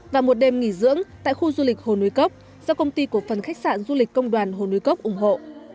và một đêm nghỉ dưỡng tại khu du lịch hồ núi cốc do công ty cổ phần khách sạn du lịch công đoàn hồ núi cốc ủng hộ